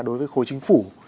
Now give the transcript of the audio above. đối với khối chính phủ